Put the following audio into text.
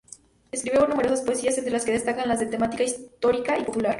Escribió numerosas poesías, entre las que destacan las de temática histórica y popular.